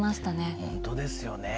本当ですよね。